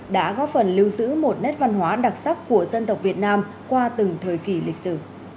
đã góp phần lưu giữ một nét văn hóa đặc sắc của dân tộc việt nam qua từng thời kỳ lịch sử